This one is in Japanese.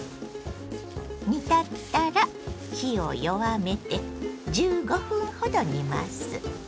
煮立ったら火を弱めて１５分ほど煮ます。